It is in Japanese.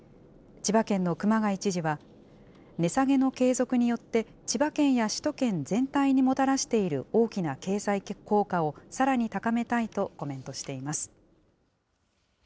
千葉県の熊谷知事は、値下げの継続によって、千葉県や首都圏全体にもたらしている大きな経済効果を、さらに高めたいとコメントしています。